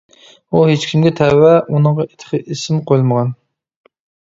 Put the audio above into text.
ئۇ ھېچكىمگە تەۋە ئۇنىڭغا تېخى ئىسىم قۇيۇلمىغان.